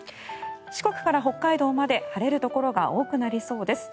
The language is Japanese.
四国から北海道まで晴れるところが多くなりそうです。